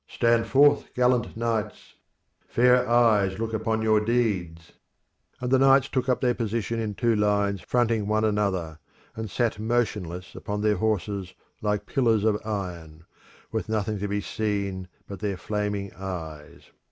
stand forth, gallant knights; fair eyes look upon your deeds!" And the knights took up their position in two lines fronting one another, and sat motionless upon their horses like pillars of iron, with nothing to be seen but their flaming eyes.